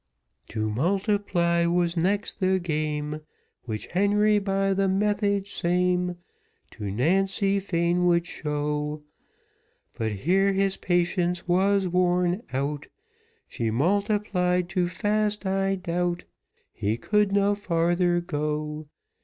To multiply was next the game, Which Henry by the method same, To Mary fain would show; But here his patience was worn out, She multiplied too fast I doubt, He could no farther go.